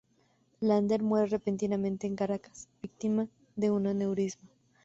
Lander muere repentinamente en Caracas, víctima de un aneurisma.